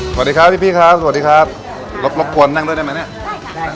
สวัสดีครับพี่พี่ครับสวัสดีครับรบรบกวนนั่งด้วยได้ไหมเนี่ยได้ค่ะได้